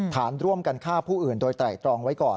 ฐานร่วมกันฆ่าผู้อื่นโดยไตรตรองไว้ก่อน